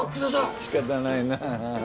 仕方ないな。